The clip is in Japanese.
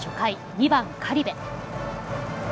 ２番・苅部。